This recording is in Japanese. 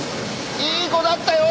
いい子だったよ。